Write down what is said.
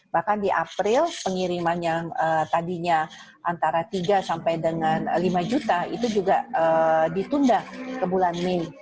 bahkan di april pengiriman yang tadinya antara tiga sampai dengan lima juta itu juga ditunda ke bulan mei